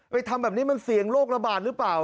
ทำแบบนี้มันเสี่ยงโรคระบาดหรือเปล่า